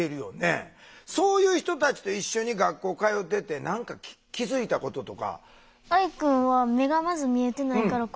そういう人たちと一緒に学校通ってて何か気付いたこととか？